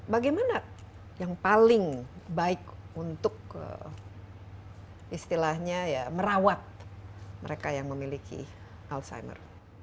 bagaimana yang paling baik untuk istilahnya ya merawat mereka yang memiliki alzheimer